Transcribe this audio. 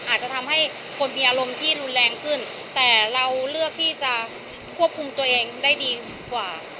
อาจจะทำให้คนมีอารมณ์ที่รุนแรงขึ้นแต่เราเลือกที่จะควบคุมตัวเองได้ดีกว่า